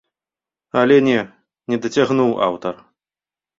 Але не, не дацягнуў аўтар.